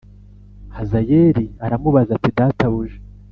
Hazayeli aramubaza ati Databuja